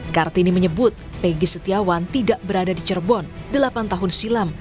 kartini menyebut peggy setiawan tidak berada di cirebon delapan tahun silam